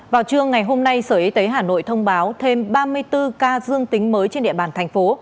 vào trưa ngày hôm nay sở y tế hà nội thông báo thêm ba mươi bốn ca dương tính mới trên địa bàn thành phố